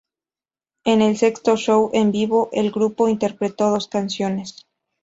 En el sexto show en vivo, el grupo interpretó dos canciones.